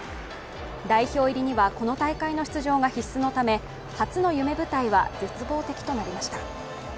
代表入りにはこの大会の出場が必須のため初の夢舞台は絶望的となりました。